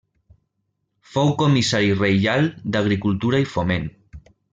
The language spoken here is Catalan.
Fou comissari reial d'Agricultura i Foment.